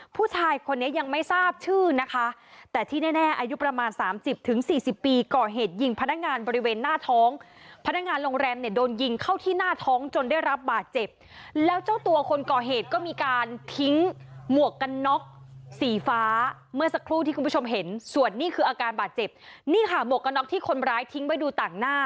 ผู้ชายคนนี้ยังไม่ทราบชื่อนะคะแต่ที่แน่อายุประมาณสามสิบถึงสี่สิบปีก่อเหตุยิงพนักงานบริเวณหน้าท้องพนักงานโรงแรมเนี่ยโดนยิงเข้าที่หน้าท้องจนได้รับบาดเจ็บแล้วเจ้าตัวคนก่อเหตุก็มีการทิ้งหมวกกันน็อกสีฟ้าเมื่อสักครู่ที่คุณผู้ชมเห็นส่วนนี้คืออาการบาดเจ็บนี่ค่ะหมวกกันน็อกที่คนร้ายทิ้งไว้ดูต่างหน้า